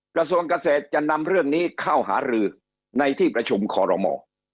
กระทรวงเกษตรจะนำเรื่องนี้เข้าหารือในที่ประชุมคอรมอ